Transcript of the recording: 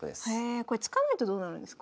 これ突かないとどうなるんですか？